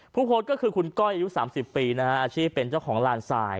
ผู้โพสต์ก็คือคุณก้อยอายุ๓๐ปีนะฮะอาชีพเป็นเจ้าของลานทราย